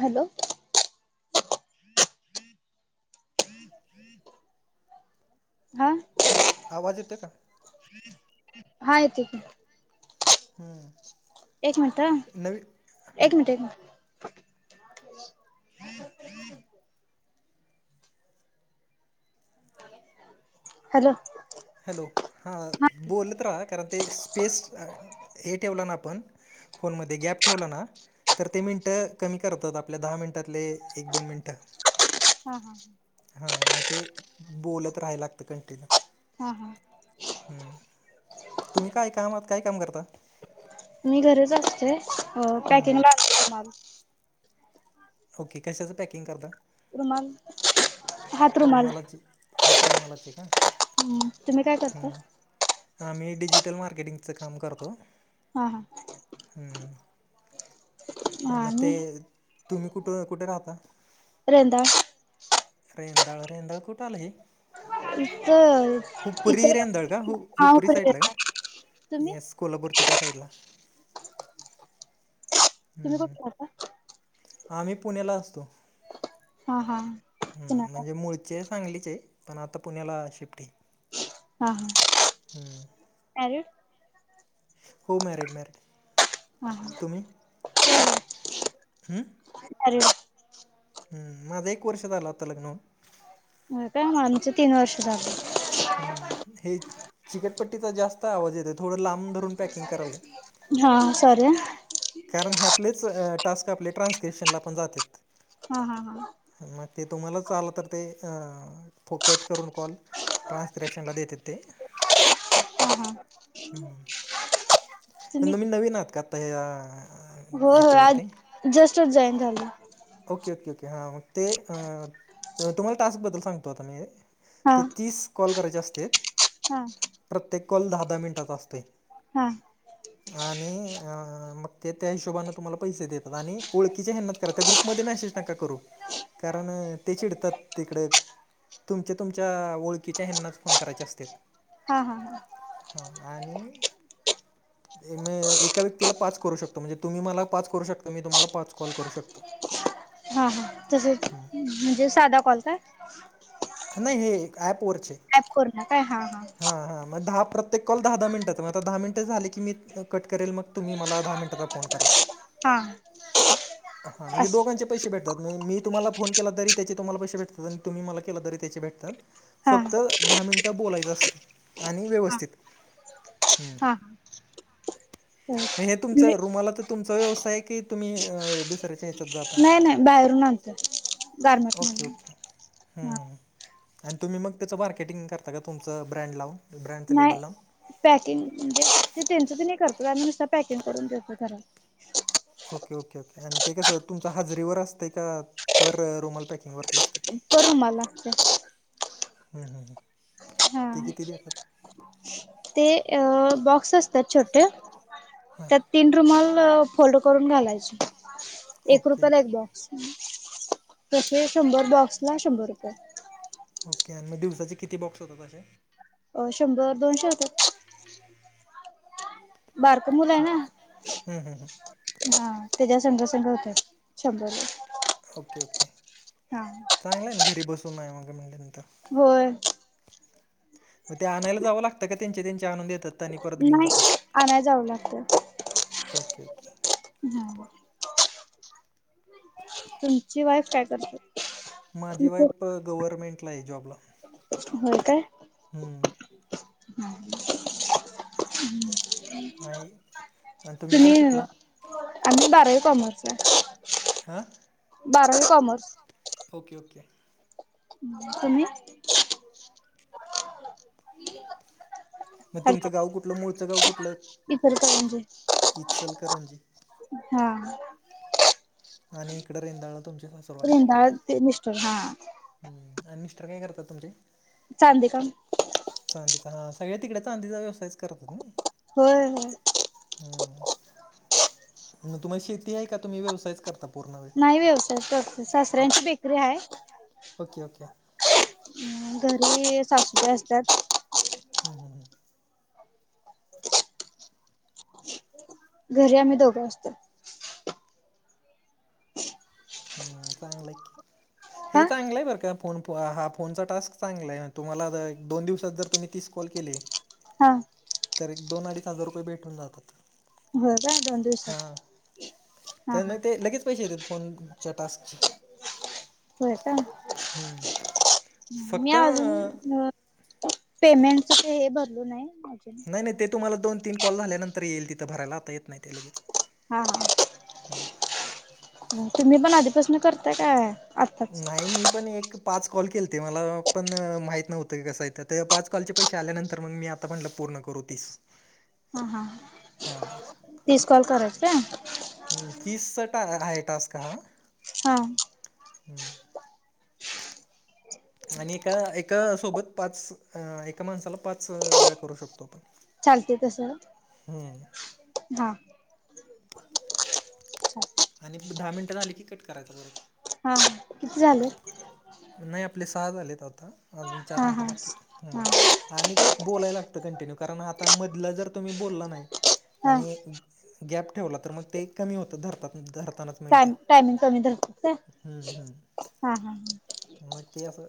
Hello. हा. Hello, आवाज येतो का? हा येतो की, हम.. नवी हां... देणा. हॅलो. हॅलो, हा बोलत राहा, कारण ते स्पेस हे, ठेवला ना आपण. फोनमध्ये गॅप ठेवला ना, तर ते मिनिटं कमी करतात, आपल्या दहा मिनिटातले एक दोन मिनिटं. हा हा हा, मग ते बोलत राहायला लागत कंटीन्यू. हा हा हम्म, तुम्ही काय काम आहात काय काम करता? मी घरीच असतोय हम्म. पॅकिंगला आलेला माल. ओके, कशाच पॅकिंग करता, रुमाल हात रुमाल रुमालाची. हात रूमालाची का. हम्, तुम्ही काय करता? हा, मी डिजिटल मार्केटिंगचं काम करतो. हा हा. हम हम. हा मग ते आणि तुम्ही कुठं कुठे राहता? रेंदाळ. रेंदाळ, रेंदाळ कुठे आल हे? इथं, हुपरी इचल रेंदाळ का? हा हुपरी साईडला का, तुम्ही येस कोल्हापूरच्या त्या साईडला. तुम्ही हम्म, कुठे राहता आम्ही पुण्याला असतो. हा हा हम्म. पुण्याला म्हणजे मुळचे सांगलीचे ये, पण आता पुण्याला शिफ्ट ये. हां.. हां.. मॅरिड. हो मॅरिड मॅरिड. हा हा तुम्ही, हम. मॅरिड हम्म, माझं एक वर्ष झालं, आता लग्न होऊन. होय का, आमच तीन वर्ष झालं. हम् हे चिकटपट्टीचा जास्त आवाज येतोय थोड लांब धरून पॅकिंग कराल का हा सॉरी हा! कारण ह्यातलेच टास्क आपले ट्रान्स्क्रिप्शनला पण जातेत. हा हा हा! मग ते तुम्हालाच आलं तर ते फुकट करून कॉल ट्रान्सस्क्रीप्शनला देतेत ते. हा हा. हम् तुम्ही न मी नवीन आहात का आता या होय होय आज जस्टच जॉईन झाली. ओके ओके ओके हा मग ते तुम्हाला टास्क बद्दल सांगतो आता मी. हा. ते तीस कॉल करायचे असतेत. हा! प्रत्येक कॉल दहा दहा मिनिटाचा असतोय. हा! आणि अ मग ते त्या हिशोबने तुम्हाला पैसे देतात आणि ओळखकीच्या ह्यांनाच करायच त्या ग्रुप मध्ये मेसेज नका करू कारण ते चिडतात तिकडे तुमच्या तुमच्या ओळखीच्या ह्यांनाच फोन करायचे असतेत. हा हा हा हा आणि एका व्यक्तीला पाच करू शकतो म्हणजे तुम्ही मला पाच करू शकता मी तुम्हाला पाच कॉल करू शकतो. हा हा त हम्म! म्हणजे साधा कॉल काय? नाही हे ऍप वरचे ॲप करून काय हा हा हा मग दहा प्र त्येक कॉल दहा दहा मिनटाचा म आता दहा मिनट झाली. की मी कट करेल मग तुम्ही मला दहा मिनटचा फोन करा. हा हा म्हणजे अस दोघांच पैसे भेटतातणज मी तुम्हाला फोन केला तरी त्याचे तुम्हाला पैसे भेटात आणि तुम्हीला के तरी त्याचे भेतात. हा फक्त हा दहा मिनिटं बोलायचं असतं आणि हा. व्यवस्थित. हम्म! हा मग हे तुमच रुमाला तर तुमचा व्यवसाय आहे की तुम्ही दुसऱ्याच्या हच्यात जाता? नाही नाही बाहेरून आणतो गार्मेंट ओके मधुन. ओके हम्म हम्म, आणि तुम्ही मग त्याचं मार्केटिंग करता का तुमचं ब्रँड लावून ब्रँडचं नाही लेबल लावून? पॅकिंग म्हणजे ते त्यांचं ते नाही करतो का नुसता पॅकिंग करून देतो खर. ओके ओके ओके आणि ते कसं तुमच हाजरीवर असतं का पर रुमाल पॅकिंगवर? पर रुमाला असतंय हम्म, हम्म, हम्म. हा. ते किती देतात ते अ बॉक्स असत्यात छोटे हां त्यात तीन रुमाल फोल्ड करून घालायचे एक ओके रुपयाला एक बॉक्स तशे शंभर बॉक्स ला शंभर रुपये. ओके आणि मग दिवसाचे किती बॉक्स होत अशे? अ शंभर दोनशे होत्यात. बारक मुलं आहे ना. हम्म, हम्म, हम्म. हा त्याच्या संग संग होतय शंभर ओके ओके! हा! चांगलं आहे ना घरी बसूनय मग म्हणल्यानंतर. होय! मग ते आणायला जावं लागतं का त्यांच्या त्यांचे आणून देतात? आणि परत घेऊन नाही जातात? आणाय जावं ओके! झाल! तुमची वाईफ काय करते? माझी वाईफ गव्हर्नमेंटला आहे जॉबला. हो काय. हम्म. ह हम्. [unintelligible] आहे आणि तुम्ही काय सुनील. शिकला [unintelligible] आमही बारावी कॉमर्स आहे हां बारावी कॉमर्स ओके ओके. तुमही ह. [unintelligible] मग हॅलो तुमचं गाव कुठलं मूळचं गाव कुठलं इचलकरंजी ह चल करणजी. हा.. आणि इकड रेंदाळा तुमच्या रिंद ते मिस्टर हा हम्म आणि मिस्टर काय करतात तुमचे. चांदी काम. चांदीचा हा सगळ्या तिकडे चांदीचा व्यवसायच करता होय. हम्म म तुम्हाला शेती आहे का तुम्ही व्यवसायच करता पूर्ण नाही व्यवसाय सासऱ्यांची बेकरी आहे ओके ओके. घरी सासुबाई असतात हम हम ह [unintelligible] घरी आम्ही दोघं असतो. हम्म चांगलाकी. हे का? चांगलं आहे बर का फोन हा फोनचा टास्क चांगला आहे तुमला एक दोन दिवसात जर तुम्ही तीस कॉल केले हा तर एक दोन अडीच हजार रुपये भेटून जातात होय काय दोन हा दिवसात हा का हा मग ते लगेच पैसे येत फोन चटास्ची [unintelligible] होय का हम्म मी फक्त अजून अ, पेमेंटच हे भरलो नाही नाही नाही ते तुम्हाला दोन तीन कॉल झाल्यानंतर येईल तिथं भरायला आता येत नाही ते लगेच हा हा तुम्ही पण आधीपासून करताय काय आत्ताच नाही मी पण एक पाच कॉल केले ते मला पण माहीत नव्हतं की कसं आहेथं तर पाच कॉलचे पैसे आल्यानंतर मग मी आता आ आपण पूर्ण करू तीस ह हा हां तीस कॉल करायचे ह किस ट आहे टस् का. हा. हम्म. आणि एका एका सोबत पाच एका माणसाला पाच वेळा करू शकतो आपण चालते तस हम्म हा आणि दहा मिनटं झाली की कट करायचा परत हा किती झालं नाही आपले सहाज आलेत आता अजून चार हा मिनटं हा बाकीत हा आणि ते बोलायला लागतं कंटिन्यू कारण आता मधलं जर तुम्ही बोलला नाही हा आणि गॅप ठेवला तर मग ते कमी होतं धरतात धरतानाच मिनटं टाम टायमिंग कमी रतो हं हं हा ह ह मग ते असं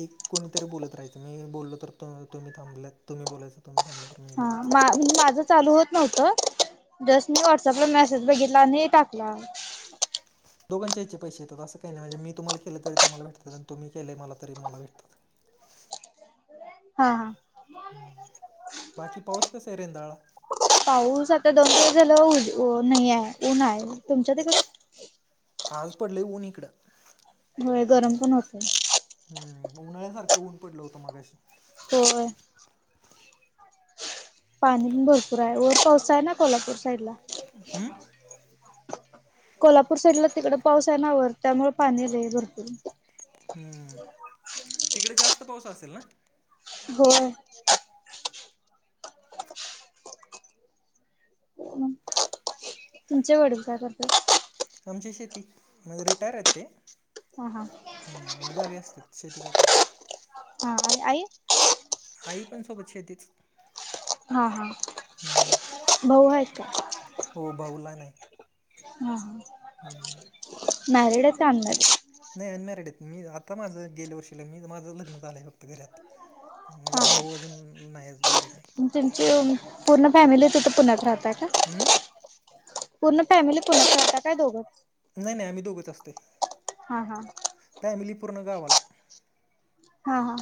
एक कोणीतरी बोलत राहायचं मी बोललो तर तुम्ही थांबल्यात तुम्ही बोलायचं तुम्ही थांबला तर मी हा बोलायचं म्हणजे माझं चालू होत नव्हत जस्ट मी व्हॉटसअपला मेसेज बघितला आणि टाकला दोघांच्या इचे पैसे येतात असं काही नाही म्हणज मी तु्हाला केलं तरी तुमलाेटतात आणि तुम्ही केले मला त मला भेतात हा हा हम् बाकी पाऊस कसा आहे रेंदाळा पाऊस आता दनश झाला नाही आहे ऊन आहे तुमच्या तडे आज पडले ऊन इकडं होय गरम पण होतय हम् उन्हाळ्यासारखं ऊन पडलं होतं मगाशी हो पाणी पण भरपूर आहे वर पावसा आहे ना कोल्हापूर साईड ला हम्म कोल्हापूर साईडला तिकडडे पाऊस आहे नावर त्यामुळे पाणी आले भरपूर हम्म तिकडे जास्त पाऊस असेल ना हो तुमच्या वडील काय करतात आमची शेती म्हणज रिटायर य ते ह हां हम्म गावी असते शेती करते हा आई आई पण सोबत शेतीच हा हा हम्म बऊ आहेत का हो भाऊ हा ह ह मॅरिड आहेच अनमॅरिड नाही अनमॅरेड आहेत मी आता माझं गेल्या वर्षीला मी माझं लग्न चालं आहे फक्त घरात मग हा हा भाऊ अजून नाहीणार नाही तुमची पूर्ण फॅमिली तिथे पुण्यात राहतय का हां पूर्ण फॅमिली कोण होता काय दोघं नाही नाही आम्ही दोघच असते हा हा फॅमिलीपूर्ण गवाला हा हा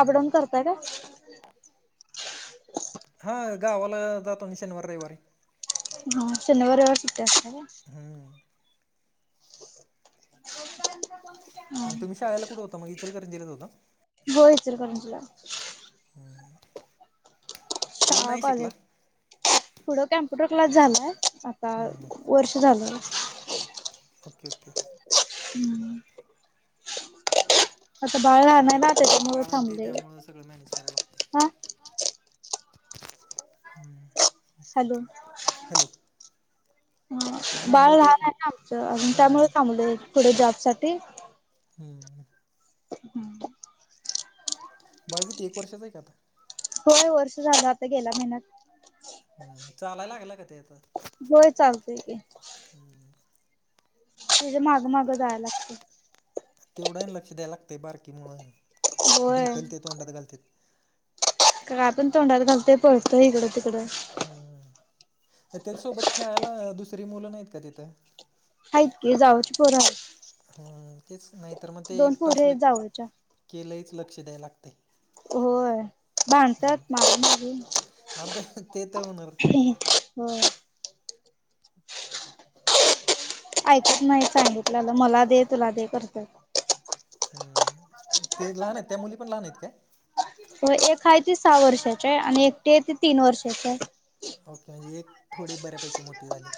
अपडाऊन करताय का हा गावाला जातो शनिवार रविवारी हा शनिवार रविवार सुटी असत हम् ह तुम्ही शाळेला कुठे होता मग इचलकरंजीलाच होता होचल करमजला हम शाळा कॉलेज पुढं कॉम्प्युटर क्लास झालाय हम्म हम्म वर्ष झालं ओके ओके हम्म आता बाहेर म आता ते तुमचं बाळ ते त्यामुळे सगळं मॅनेज करायला हा लागते हम्म हॅलो हॅलो हा बाळ म्हणलं ते लहान आहे ना आमचं त्यामुळे हम्म थांबलं पुढे जॉब साठी हम्म हम्म बाळग किती वर्षाच आहे का आता होय वर्ष झालं झालं आता गेल्या महिन्यात हम चालायला लागला का ते तर होोय चालतेय की हम्म म्हजे माग मागं जायला लागतील तेवढा लक्ष द्याय लागंय बारकी म्हळून होय भेटल ते तोंडात घालते का काय पण तोंडात घलय पोतोय इकडं तिकडं ह त्याच्यासोबत खेळायला दुसरी मुलं नाहीत का तिथं आहेतत की जावच खरं हम्म तेच नाहीतर मग ते एक पोरी तास आहेत ल जावच्या केलंहीच लक्ष द्याय लागत होय भांधतात मारा मारी अबे ते तर होणार हम ऐकत नाही सांगितलंलं मला दे तुला दे करत हम्म ते लहान आहेत त्या मुली पण लहान आहेतत काय हो एक आहे ती सहा वर्षाची आहे आणि एकटी आहे ती तीन वर्षाची ओके म्हणजे एक थोडी बऱ्यापैकी मोठी झाली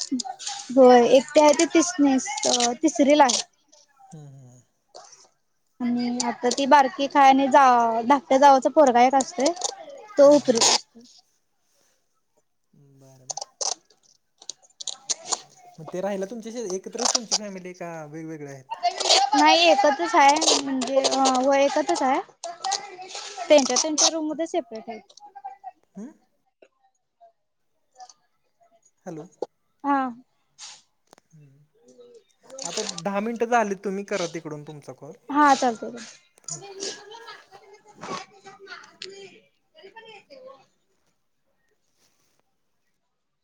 होय एक ते आहे ते तिसनेस तिसरी ला आहे हम् हम आणि आता ती बारकी खाय आणि जा धाकट्या जावाचं फोरगायक असत हां हां हां बरोबर मग ते राहाला तुमच्या एकत्रच तुमची फॅमिली आहे का वेगवेगळे्या आहेत नाही एकतच आहे म्हणजे व एकतच आहे त्यांच्या त्यांच्या रूम म सेपरेट आहेत हम्म हॅलो हा हम्म आता दहा मिनिट झाली तुम्ही करा तिकडून तुमचा कर हा चालतय हो